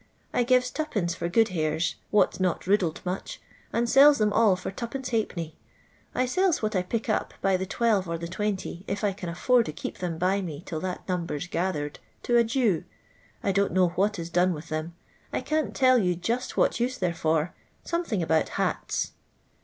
I gtvei %i. for' good hares, what '• not riiidlud much, and lelli them all for %\iL I lellf what I pick up, by the twelve or the twenty, if I can atTord to keep them by me till that num ber 's gathered, to a Jew. I don't know what ii done with them. I can't tell you jutt what use they *re for — something about hats."